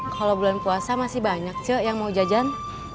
kalau bulan puasa masih banyak sih yang mau jajan